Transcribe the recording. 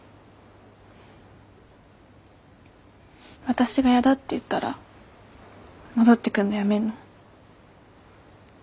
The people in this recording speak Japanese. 私がやだって言ったら戻ってくんのやめんの？